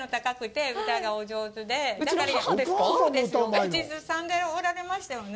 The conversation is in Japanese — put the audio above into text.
口ずさんでおられましたよね。